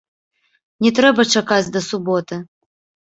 Не трэба чакаць да суботы.